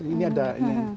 ini ada ini